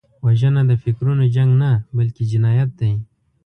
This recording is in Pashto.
وژنه د فکرونو جنګ نه، بلکې جنایت دی